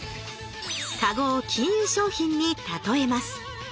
カゴを金融商品に例えます。